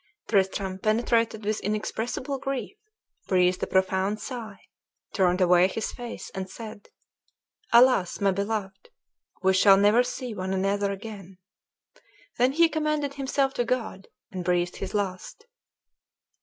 Tristram, penetrated with inexpressible grief, breathed a profound sigh, turned away his face, and said, "Alas, my beloved! we shall never see one another again!" Then he commended himself to God, and breathed his last.